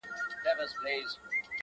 خو ستا د وصل په ارمان باندي تيريږي ژوند.